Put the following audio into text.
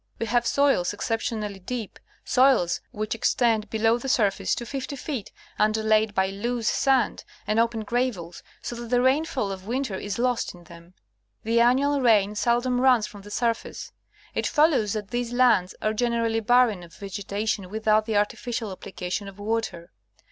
We have soils exceptionally deep ; soils which extend below the surface to 50 feet, underlaid by loose sand and open gravels, so that the rainfall of winter is lost in them. The annual rain seldom runs from the surface. It follows that these lands ai e generally barren of vegetation without the artificial applica tion of water.